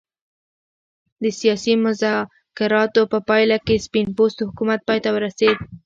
د سیاسي مذاکراتو په پایله کې سپین پوستو حکومت پای ته ورسېد.